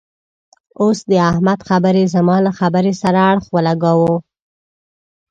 اوس د احمد خبرې زما له خبرې سره اړخ و لګاوو.